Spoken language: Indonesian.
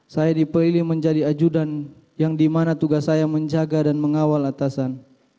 saya dipilih menjadi ajudan yang dimana tugas saya menjaga dan mengawal atasan